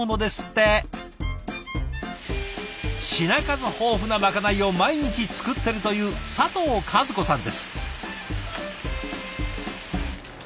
品数豊富なまかないを毎日作ってるという佐藤和子さんです。